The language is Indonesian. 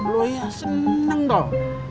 lo ya seneng toh